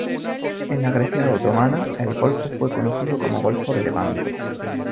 En la Grecia otomana, el golfo fue conocido como "golfo de Lepanto".